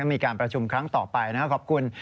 มีการประชุมครั้งต่อไปนะครับขอบคุณ